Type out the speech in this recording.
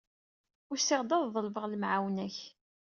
Usiɣ-d ad ḍelbeɣ lemɛawna-k.